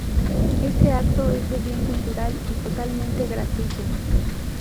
Este acto es de bien cultural y totalmente gratuito.